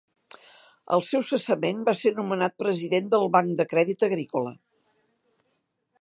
Al seu cessament va ser nomenat President del Banc de Crèdit Agrícola.